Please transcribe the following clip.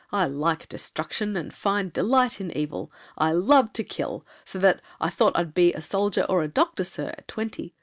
I like destruction; find delight in evil; I love to kill! So that I thought I'd be A soldier or a doctor, sir, at twenty.